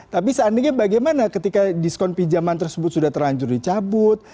tapi seandainya bagaimana ketika diskon pinjaman tersebut sudah terlanjur dicabut